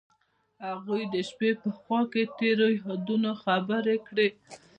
هغوی د شپه په خوا کې تیرو یادونو خبرې کړې.